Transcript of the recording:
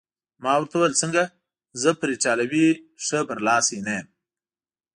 ما ورته وویل: څنګه، زه پر ایټالوي ښه برلاسی نه یم؟